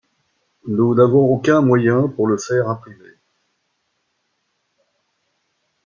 Nous n’avons aucun moyen pour le faire imprimer.